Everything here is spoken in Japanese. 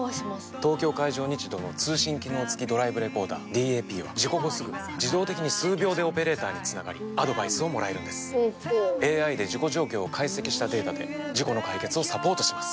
東京海上日動の通信機能付きドライブレコーダーＤＡＰは事故後すぐ自動的に数秒でオペレーターにつながりアドバイスをもらえるんですＡＩで事故状況を解析したデータで事故の解決をサポートします